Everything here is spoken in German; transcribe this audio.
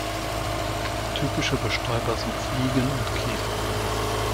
Typische Bestäuber sind Fliegen und Käfer.